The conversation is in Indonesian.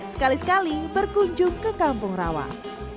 sekali sekali berkunjung ke kampung rawa